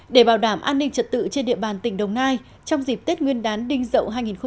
để bảo đảm an ninh trật tự trên địa bàn tỉnh đồng nai trong dịp tết nguyên đán đinh dậu hai nghìn hai mươi